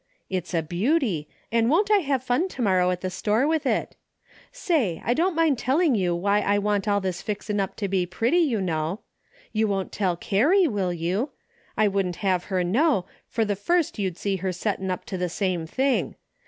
It's a beauty, and won't I have fun to morrow at the store with it ? Say, I don't mind telling you why I want all this fixin' up to be pretty, you know. You won't tell Carrie, will you? I wouldn't have her know, for the first you'd see her settin' up to the same thing.